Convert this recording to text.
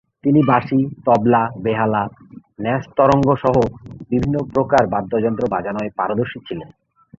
তিনি বাঁশি, তবলা, বেহালা, ন্যাসতরঙ্গসহ বিভিন্ন প্রকার বাদ্যযন্ত্র বাজানোয় পারদর্শী ছিলেন।